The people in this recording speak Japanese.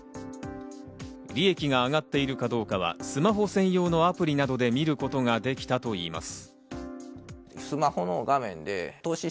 利益が上がっているかどうかはスマホ専用のアプリなどで見ることができたといいます。